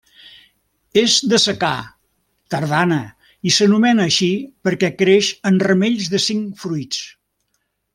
És de secà, tardana i s'anomena així perquè creix en ramells de cinc fruits.